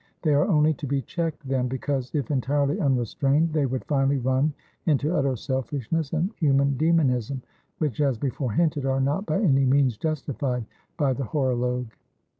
They are only to be checked, then, because, if entirely unrestrained, they would finally run into utter selfishness and human demonism, which, as before hinted, are not by any means justified by the horologe.